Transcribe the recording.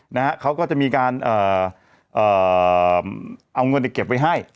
นะฮะเขาก็จะมีการเอาเงินเต็บเก็บไว้ให้